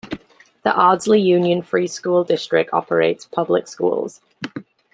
The Ardsley Union Free School District operates public schools.